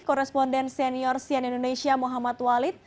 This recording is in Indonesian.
koresponden senior sian indonesia muhammad walid